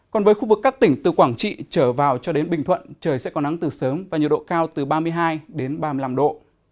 còn với khu vực các tỉnh từ quảng trị trở vào cho đến bình thuận trời sẽ có nắng từ sớm và nhiệt độ cao từ ba mươi hai đến ba mươi năm độ